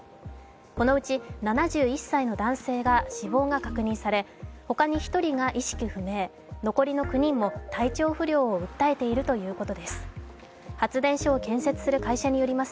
このうち７１歳の男性が死亡が確認され他に１人が意識不明残りの９人も体調不良を訴えているということです。